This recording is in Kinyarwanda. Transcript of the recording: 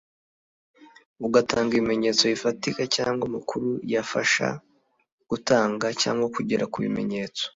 ugatanga ibimenyetso bifatika cyangwa amakuru yafasha gutanga cyangwa kugera ku bimenyetso